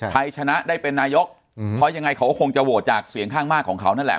ชนะได้เป็นนายกเพราะยังไงเขาก็คงจะโหวตจากเสียงข้างมากของเขานั่นแหละ